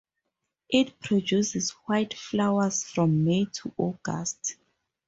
It produces white flowers from May to August.